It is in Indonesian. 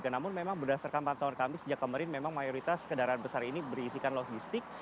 namun memang berdasarkan pantauan kami sejak kemarin memang mayoritas kendaraan besar ini berisikan logistik